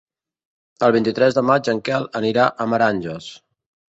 El vint-i-tres de maig en Quel anirà a Meranges.